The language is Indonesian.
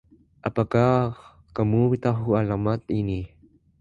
Apakah kamu tahu alamat ini...?